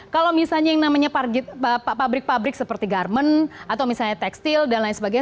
kalau misalnya yang namanya pabrik pabrik seperti garmen atau misalnya tekstil dan lain sebagainya